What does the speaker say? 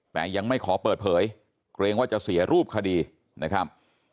แต่ยังไม่ขอเปิดเผยเกรงว่าจะเสียรูปคดีนะครับ